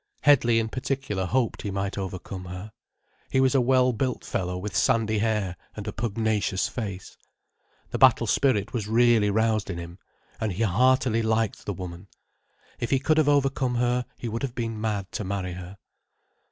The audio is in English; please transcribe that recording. Headley in particular hoped he might overcome her. He was a well built fellow with sandy hair and a pugnacious face. The battle spirit was really roused in him, and he heartily liked the woman. If he could have overcome her he would have been mad to marry her.